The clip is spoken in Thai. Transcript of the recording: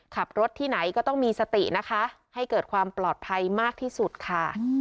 ขับรถที่ไหนก็ต้องมีสตินะคะให้เกิดความปลอดภัยมากที่สุดค่ะ